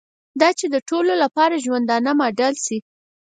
دا چې د ټولو لپاره ژوندانه ماډل شي.